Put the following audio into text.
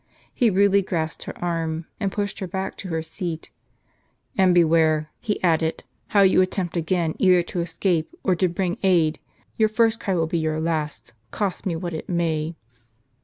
He rudely grasped her arm, and pushed her back to her seat; "and beware," he added, " how you attempt again either to escajDC or to bring aid ; your first cry will be your last, cost me what it may.